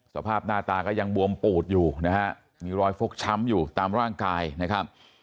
สภาพหน้าตาก็ยังบวมปูดอยู่นะฮะมีรอยฟกช้ำอยู่ตามร่างกายนะครับ